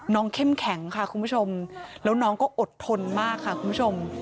เข้มแข็งค่ะคุณผู้ชมแล้วน้องก็อดทนมากค่ะคุณผู้ชม